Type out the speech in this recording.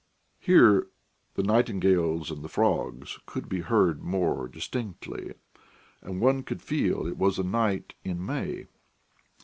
Here the nightingales and the frogs could be heard more distinctly, and one could feel it was a night in May.